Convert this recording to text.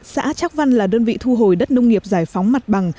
xã trác văn là đơn vị thu hồi đất nông nghiệp giải phóng mặt bằng